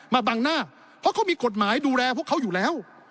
มาบังหน้าเพราะเขามีกฎหมายดูแลพวกเขาอยู่แล้ว